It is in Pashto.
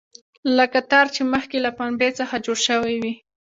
لکه تار چې مخکې له پنبې څخه جوړ شوی وي.